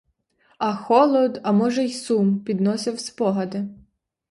А холод, а може й сум підносив спогади.